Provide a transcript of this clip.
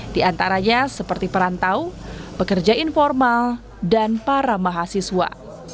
di antaranya seperti perantau pekerja informal dan para mahasiswa